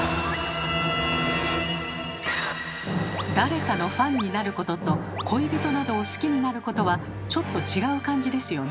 誰かのファンになることと恋人などを好きになることはちょっと違う感じですよね。